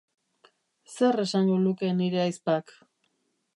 Zer esango luke nire ahizpak?